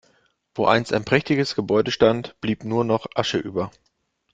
Wo einst ein prächtiges Gebäude stand, blieb nur noch Asche über.